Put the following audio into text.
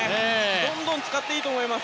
どんどん使っていいと思います。